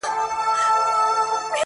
یوه کیسه نه لرم، ګراني د هیچا زوی نه یم.